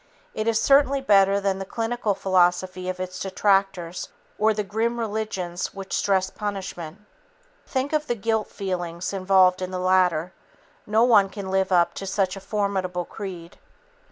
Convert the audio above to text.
It is certainly better than the cynical philosophy of its detractors or the grim religions which stress punishment. Think of the guilt feelings involved in the latter. No one can live up to such a formidable creed.